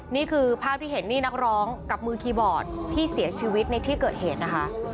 นี่คือภาพที่เห็นนี่นักร้องกับมือคีย์บอร์ดที่เสียชีวิตในที่เกิดเหตุนะคะ